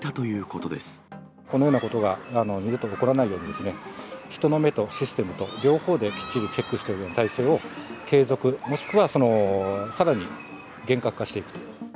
このようなことが二度と起こらないようにですね、人の目とシステムと両方できっちりチェックしていくような体制を継続、もしくは、さらに厳格化していくと。